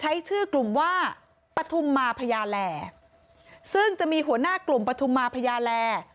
ใช้ชื่อกลุ่มว่าปฐุมมาพญาแหล่ซึ่งจะมีหัวหน้ากลุ่มปฐุมมาพญาแล